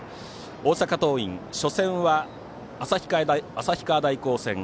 大阪桐蔭、初戦は旭川大高戦。